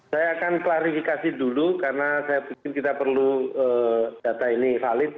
saya akan klarifikasi dulu karena saya pikir kita perlu data ini valid